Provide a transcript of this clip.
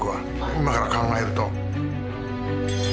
今から考えると。